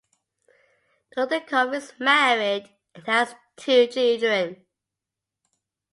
Dudikoff is married and has two children.